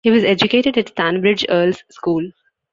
He was educated at Stanbridge Earls School.